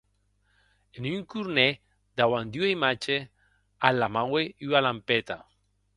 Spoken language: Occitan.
En un cornèr, dauant d’ua imatge, ahlamaue ua lampeta.